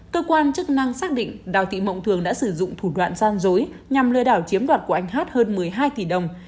cơ quan chức năng xác định đào thị mộng thường đã sử dụng thủ đoạn gian dối nhằm lừa đảo chiếm đoạt của anh hát hơn một mươi hai tỷ đồng